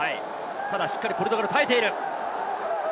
ただしっかりポルトガル耐えている。